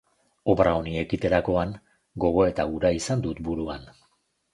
Obra honi ekiterakoan, gogoeta hura izan dut buruan.